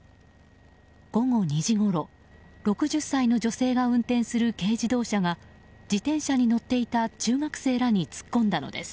午後２時ごろ、６０歳の女性が運転する軽自動車が自転車に乗っていた中学生らに突っ込んだのです。